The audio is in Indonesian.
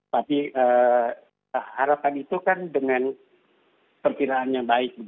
tapi harapan itu kan dengan kepiraannya baik